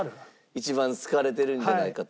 一番好かれてるんじゃないかと。